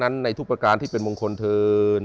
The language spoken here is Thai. ในทุกประการที่เป็นมงคลเทิน